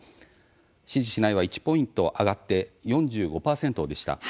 「支持しない」は１ポイント上がって４５％でした。